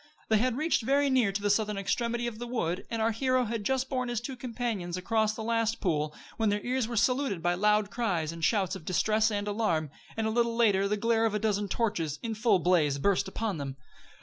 They had reached very near to the southern extremity of the wood, and our hero had just borne his two companions across the last pool, when their ears were saluted by loud cries and shouts of distress and alarm, and a little later the glare of a dozen torches, in full blaze, burst upon them.